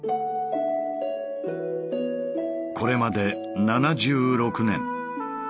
これまで７６年。